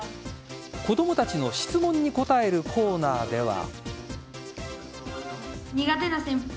子供たちの質問に答えるコーナーでは。